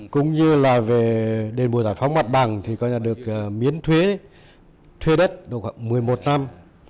cũng như là về đền bùi giải phóng mặt bằng thì có nhận được miến thuế đất được khoảng một mươi một năm